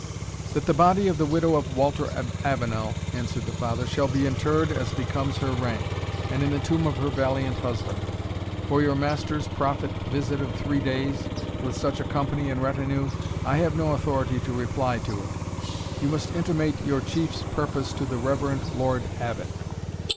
"That the body of the widow of Walter of Avenel," answered the Father, "shall be interred as becomes her rank, and in the tomb of her valiant husband. For your master's proffered visit of three days, with such a company and retinue, I have no authority to reply to it; you must intimate your Chief's purpose to the Reverend Lord Abbot."